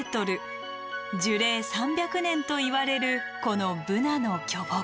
３ｍ樹齢３００年といわれるこのブナの巨木。